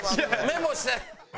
メモして。